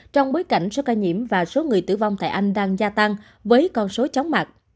trong bối cảnh số ca nhiễm và số người tử vong tại anh đang gia tăng với con số chóng mặt